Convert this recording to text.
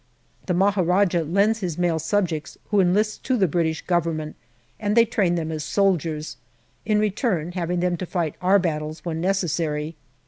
The Maharajah lends his male subjects who enlist to the British Govern ment, and they train them as soldiers, in return having them to fight our battles when necessary.